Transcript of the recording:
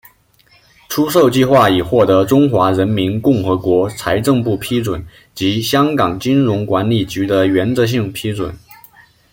出售计划已获得中华人民共和国财政部批准及香港金融管理局的原则性批准。